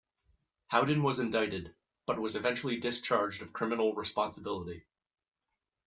Howden was indicted, but was eventually discharged of criminal responsibility.